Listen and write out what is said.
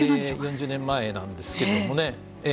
４０年前なんですけどね